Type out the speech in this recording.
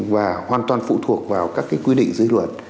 và hoàn toàn phụ thuộc vào các quy định dưới luật